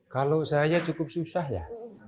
kalau saya cukup susah ya